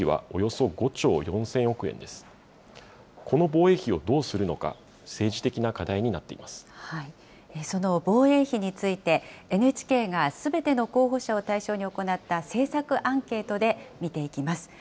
その防衛費について、ＮＨＫがすべての候補者を対象に行った政策アンケートで見ていきます。